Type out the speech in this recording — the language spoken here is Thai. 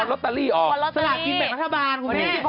ลอตเตอรี่ออกสลากกินแบ่งรัฐบาลคุณแม่